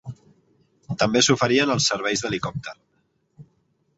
També s'oferien els serveis d'helicòpter.